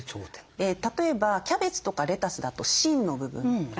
例えばキャベツとかレタスだと芯の部分。